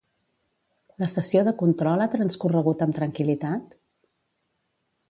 La sessió de control ha transcorregut amb tranquil·litat?